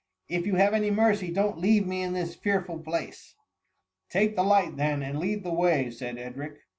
'^ If you have any mevc^, don^t leave me in this fearful place^ ^' Take the light then, and lead the way," said Edric.